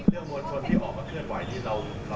เรื่องมวลชนมีออกมาเคลื่อนไหวนี่เราเป็นกวงแล้วเพราะดูแนวโลกน่ะ